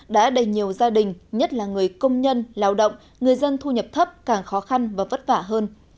đã đầy nhiều gia đình nhất là người công nhân lao động người dân thu nhập thấp càng khó khăn và vất vả hơn